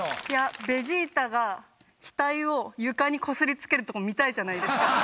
いやベジータが額を床にこすりつけるとこ見たいじゃないですか。